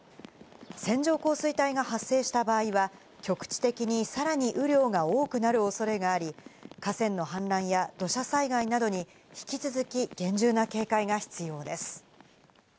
線状降水帯が発生した場合は局地的にさらに雨量が多くなる恐れがあり、河川の氾濫や土砂災害などに、引き続き厳重な警戒が必要です。